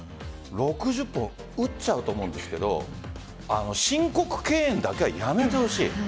６０本打っちゃうと思うんですけど申告敬遠だけはやめてほしい。